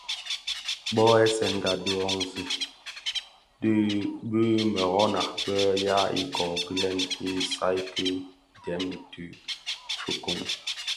Bōō ghèsènga ki dhōňzi bi meroňa më bë ya iköö gilèn i isal ki dèm dhi fikoň.